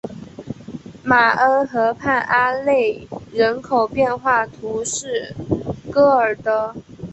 马恩河畔阿内人口变化图示戈尔德